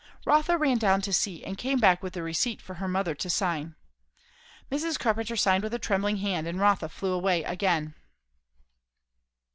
Rotha ran down to see, and came back with the receipt for her mother to sign. Mrs. Carpenter signed with a trembling hand, and Rotha flew away again.